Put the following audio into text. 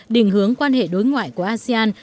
định hướng quan hệ đối ngoại của asean